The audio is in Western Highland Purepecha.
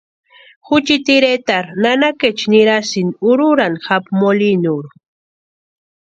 Juchiti iretarhu nanakeecha nirasïnti úrhurhani japu molinurhu.